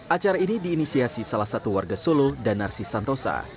acara ini diinisiasi salah satu warga solo dan narsi santosa